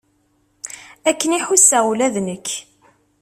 Akken i ḥusseɣ ula d nekk.